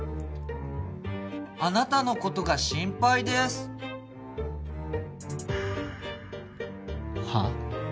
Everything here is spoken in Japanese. あなたのことが心配ですはっ？